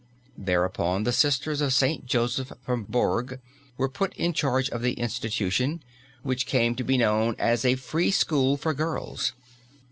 Thereupon the Sisters of St. Joseph from Bourg were put in charge of the institution, which came to be known as a "Free School for Girls."